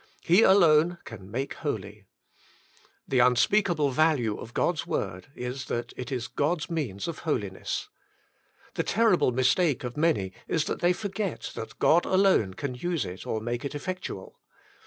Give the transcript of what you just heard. He alone can make holy. The unspeakable value of God's word is that it is God's means of holiness. The terrible mistake of many is that they forget that God alone can use it or make it effectual.